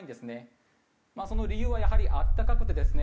その理由はやはりあったかくてですね